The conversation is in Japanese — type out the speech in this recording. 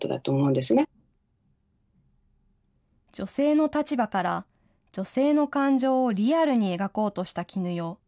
女性の立場から女性の感情をリアルに描こうとした絹代。